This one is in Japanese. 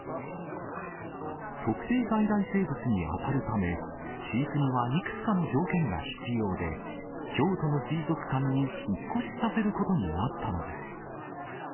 特定外来生物に当たるため、飼育にはいくつかの条件が必要で、京都の水族館に引っ越しさせることになったのです。